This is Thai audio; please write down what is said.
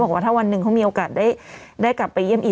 ว่าถ้าวันหนึ่งเขามีโอกาสได้กลับไปเยี่ยมอีก